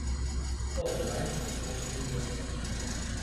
授莱州府推官。